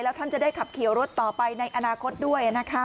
ท่านจะได้ขับขี่รถต่อไปในอนาคตด้วยนะคะ